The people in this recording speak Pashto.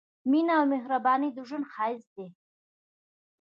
مينه او مهرباني د ژوند ښايست دی